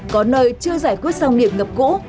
có nơi chưa giải quyết xong điểm ngập cũ